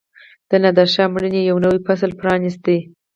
د نادرشاه مړینې یو نوی فصل پرانیست.